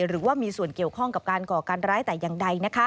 หรือว่ามีส่วนเกี่ยวข้องกับการก่อการร้ายแต่อย่างใด